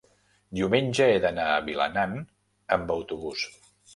diumenge he d'anar a Vilanant amb autobús.